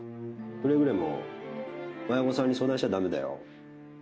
くれぐれも親御さんに相談しちゃダメだよ